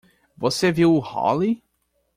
Você viu o Hollie?